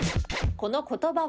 この言葉は？